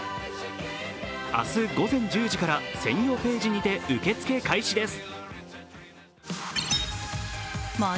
明日午前１０時から専用ページにて受け付け開始です。